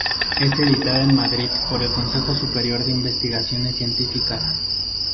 Es editada en Madrid por el Consejo Superior de Investigaciones Científicas.